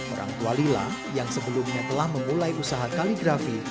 orang tua lila yang sebelumnya telah memulai usaha kaligrafi